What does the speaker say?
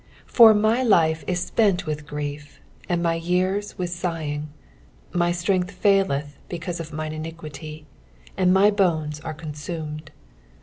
10 For my life is spent with grief, and my years with sighing : my strength faileth because of mine iniquity, and my bones are consumed.